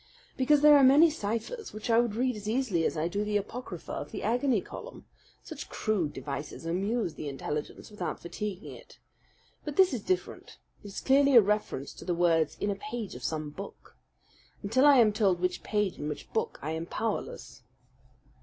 "Because there are many ciphers which I would read as easily as I do the apocrypha of the agony column: such crude devices amuse the intelligence without fatiguing it. But this is different. It is clearly a reference to the words in a page of some book. Until I am told which page and which book I am powerless."